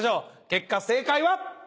結果正解は？